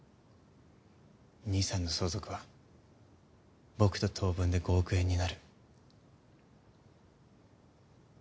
兄さんの相続は僕と等分で５億円になる。